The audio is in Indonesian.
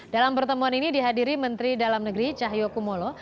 dalam pertemuan ini dihadiri menteri dalam negeri cahyokumolo